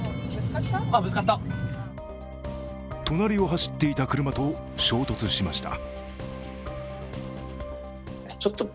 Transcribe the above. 隣を走っていた車と衝突しました。